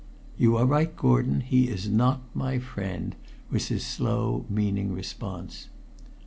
"You are right, Gordon he is not my friend," was his slow, meaning response.